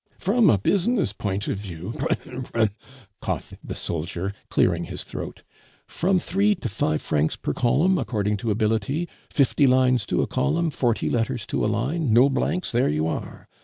"From a business point of view, broum! broum!" coughed the soldier, clearing his throat. "From three to five francs per column, according to ability. Fifty lines to a column, forty letters to a line; no blanks; there you are!